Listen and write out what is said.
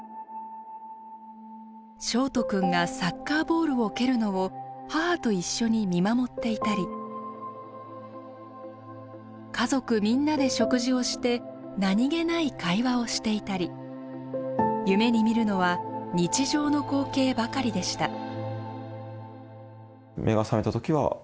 翔人くんがサッカーボールを蹴るのを母と一緒に見守っていたり家族みんなで食事をして何気ない会話をしていたり夢に見るのは日常の光景ばかりでした。